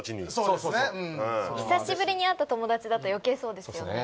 うん久しぶりに会った友達だと余計そうですよね